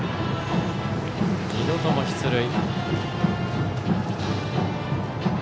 ２度とも出塁。